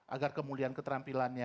agar kemuliaan keterampilannya